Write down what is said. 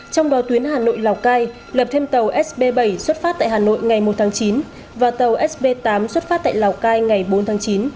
trong đó tuyến hà nội lào cai lập thêm tàu sb bảy xuất phát tại hà nội ngày một tháng chín và tàu sb tám xuất phát tại lào cai ngày bốn tháng chín